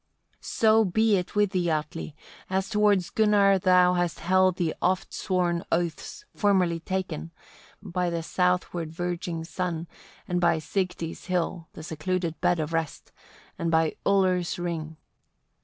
30. "So be it with thee, Atli! as towards Gunnar thou hast held the oft sworn oaths, formerly taken by the southward verging sun, and by Sigty's hill, the secluded bed of rest, and by Ullr's ring."